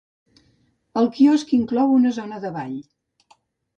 El quiosc inclou una zona de ball.